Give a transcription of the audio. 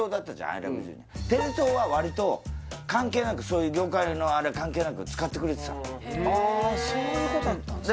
「愛ＬＯＶＥジュニア」テレ東はわりと関係なくそういう業界のあれ関係なく使ってくれてたのそういうことだったんですか